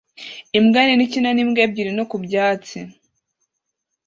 Imbwa nini ikina n'imbwa ebyiri nto ku byatsi